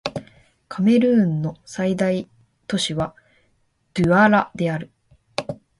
カメルーンの最大都市はドゥアラである